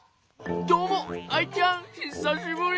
どうもアイちゃんひさしぶり。